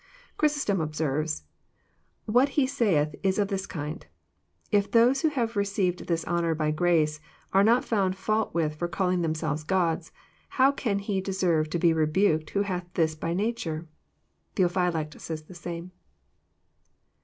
Chrysostom observes :" What He saith is of this kind: * If those who have received this honour by grace are not found fault with for calling themselves gods, how can He deserve to be rebuked who hath this by nature.* " Theophylact says the same.